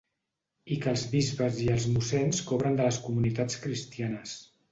I que els bisbes i els mossens cobren de les comunitats cristianes.